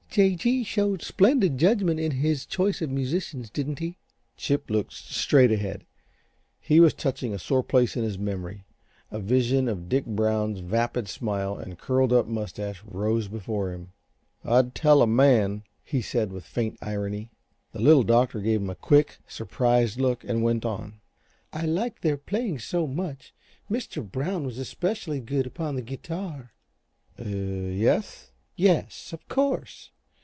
"J. G. showed splendid judgment in his choice of musicians, didn't he?" Chip looked straight ahead. This was touching a sore place in his memory. A vision of Dick Brown's vapid smile and curled up mustache rose before him. "I'd tell a man," he said, with faint irony. The Little Doctor gave him a quick, surprised look and went on. "I liked their playing so much. Mr. Brown was especially good upon the guitar." "Y e s?" "Yes, of course.